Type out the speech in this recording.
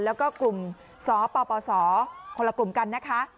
แล้วก็กลุ่มสปสคนละกลุ่มกันนะคะ